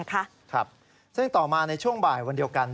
ครับซึ่งต่อมาในช่วงบ่ายวันเดียวกัน